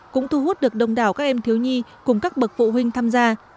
cũng thu hút được đông đảo các em thiếu nhi cùng các bậc phụ huynh tham gia